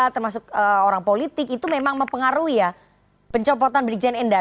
termasuk orang politik itu memang mempengaruhi ya pencopotan brigjen endar